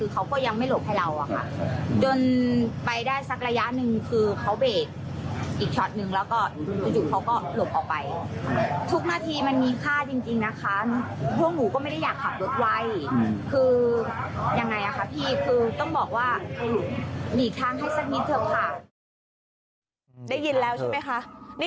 ขับลึกไว้คือยังไงคะพี่